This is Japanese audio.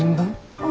ああ。